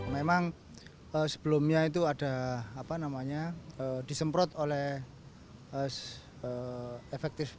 memang sebelumnya itu ada apa namanya disemprot oleh efektif